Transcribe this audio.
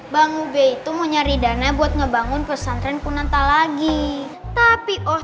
bang ube itu mencari dana buat ngebangun pesantren punanta lagi tapi oh